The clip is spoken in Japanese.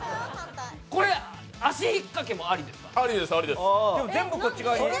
これ、足引っかけもありですか？